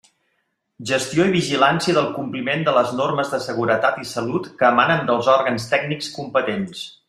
Gestió i vigilància del compliment de les normes de seguretat i salut que emanen dels òrgans tècnics competents.